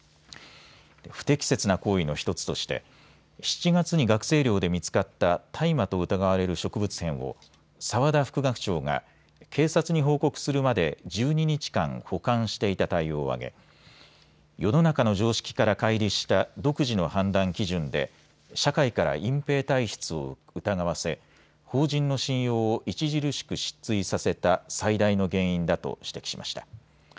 不適切な行為の１つとして７月に学生寮で見つかった大麻と疑われる植物片を澤田副学長が警察に報告するまで１２日間保管していた対応を挙げ世の中の常識からかい離した独自の判断基準で社会から隠蔽体質を疑わせ、法人の信用を著しく失墜させた最大の原因だと指摘しました。